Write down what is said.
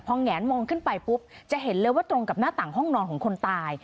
แหงมองขึ้นไปปุ๊บจะเห็นเลยว่าตรงกับหน้าต่างห้องนอนของคนตาย